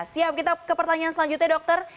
siap kita ke pertanyaan selanjutnya dokter